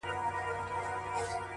o د اوښکو ته مو لپې لوښي کړې که نه،